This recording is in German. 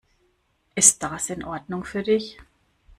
Ist das in Ordnung für dich?